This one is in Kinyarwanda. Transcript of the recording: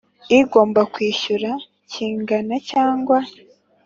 Igomba kwishyura kingana cyangwa